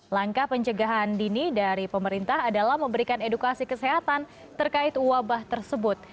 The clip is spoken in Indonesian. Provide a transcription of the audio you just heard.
langkah pencegahan dini dari pemerintah adalah memberikan edukasi kesehatan terkait wabah tersebut